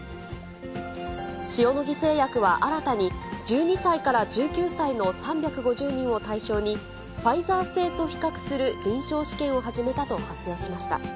塩野義製薬は新たに、１２歳から１９歳の３５０人を対象に、ファイザー製と比較する臨床試験を始めたと発表しました。